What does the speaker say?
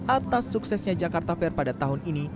atas suksesnya jakarta fair pada tahun ini